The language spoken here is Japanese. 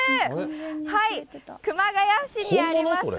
熊谷市にあります